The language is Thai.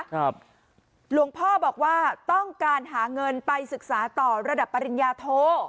หลวงพ่อบอกว่าต้องการหาเงินไปศึกษาต่อระดับปริญญาโท